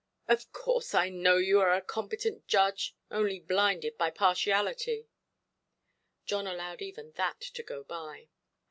"Of course, I know you are a competent judge, only blinded by partiality". John allowed even that to go by.